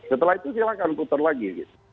setelah itu silahkan putar lagi